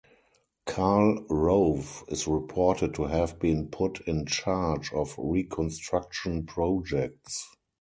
Karl Rove is reported to have been put in charge of reconstruction projects.